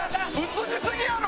映しすぎやろ！